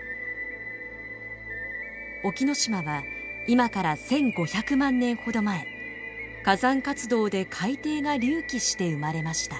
沖ノ島は今から１，５００万年ほど前火山活動で海底が隆起して生まれました。